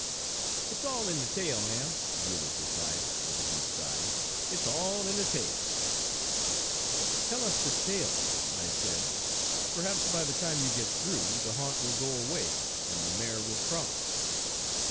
"It's all in de tale, ma'm," Julius replied, with a deep sigh. "It's all in de tale." "Tell us the tale," I said. "Perhaps, by the time you get through, the haunt will go away and the mare will cross."